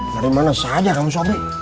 dari mana saja kamu sopi